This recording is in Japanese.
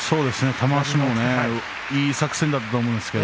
玉鷲もいい作戦だったと思います。